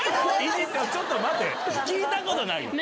ちょっと待て聞いたことない。